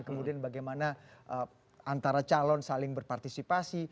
kemudian bagaimana antara calon saling berpartisipasi